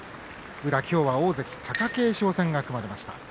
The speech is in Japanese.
宇良は今日大関貴景勝戦が組まれました。